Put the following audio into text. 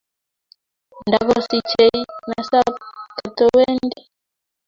Ndakosichei napas kotawendi.